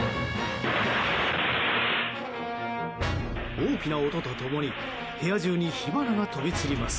大きな音と共に部屋中に火花が飛び散ります。